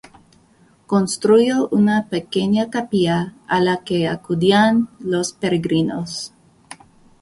Construyó una pequeña capilla a la que acudían los peregrinos.